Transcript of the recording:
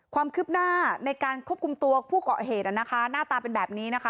ความคืบหน้าในการควบคุมตัวผู้เกาะเหตุนะคะหน้าตาเป็นแบบนี้นะคะ